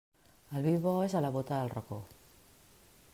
El vi bo és a la bóta del racó.